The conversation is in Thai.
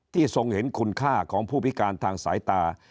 ทรงเห็นคุณค่าของผู้พิการทางสายตา